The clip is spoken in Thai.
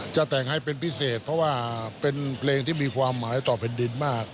จะแต่งให้เป็นพิเศษเพราะว่าเป็นเพลงที่มีความหมายต่อแผ่นดินมาก